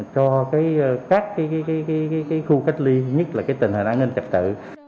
cho các khu cách ly nhất là cái tình hình ảnh nên tập tự